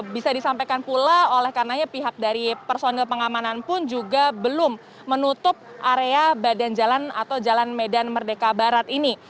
bisa disampaikan pula oleh karenanya pihak dari personil pengamanan pun juga belum menutup area badan jalan atau jalan medan merdeka barat ini